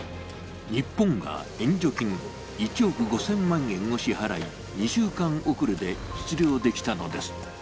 日本が援助金１億５０００万円を支払い２週間遅れで出漁できたのです。